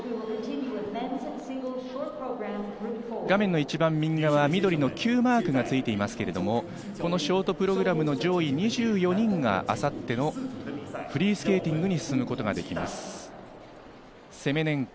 画面の一番右側、緑のＱマークがついていますが、このショートプログラムの上位２４人があさってのフリースケーティングに進むことができます。